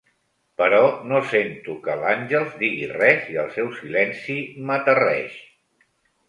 Però no sento que l'Àngels digui res i el seu silenci m'aterreix.